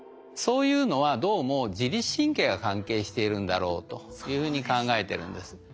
そういうのはどうも自律神経が関係しているんだろうというふうに考えてるんです。